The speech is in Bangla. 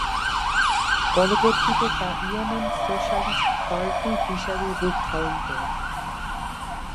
পরবর্তীতে তা ইয়েমেন সোশ্যালিস্ট পার্টি হিসেবে রূপ ধারণ করে।